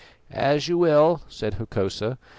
"As you will," said Hokosa.